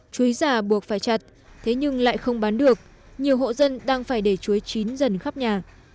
chuối giả buộc phải chặt thế nhưng lại không bán được nhiều hộ dân đang phải để chuối chín dần khắp nhà